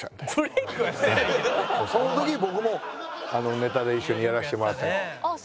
その時僕もネタで一緒にやらせてもらって。